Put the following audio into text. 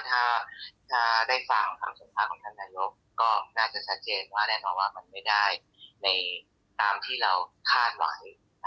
แต่ถ้าได้ฟังคำสั่งภาพของธรรมนาโยคก็น่าจะชัดเจนว่ามันไม่ได้ตามที่เราคาดไหว